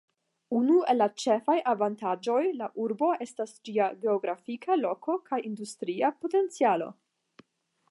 Unu el la ĉefaj avantaĝoj la urbo estas ĝia geografia Loko kaj industria potencialo.